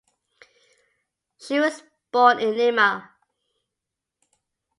She was born in Lima.